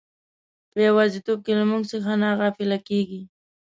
په یوازیتوب کې له موږ څخه نه غافله کیږي.